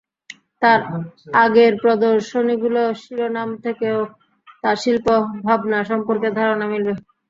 তাঁর আগের প্রদর্শনীগুলো শিরোনাম থেকেও তাঁর শিল্প ভাবনা সম্পর্কে ধারণা মিলবে।